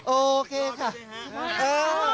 โอเคค่ะ